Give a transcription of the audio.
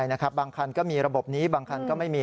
บางคันก็มีระบบนี้บางคันก็ไม่มี